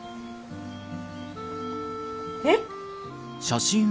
えっ！？